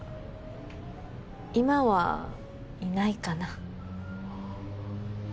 今はいないかな